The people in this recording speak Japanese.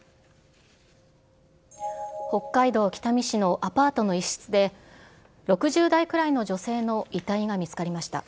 北海道北見市のアパートの一室で、６０代くらいの女性の遺体が見つかりました。